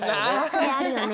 それあるよね。